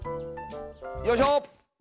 よいしょ！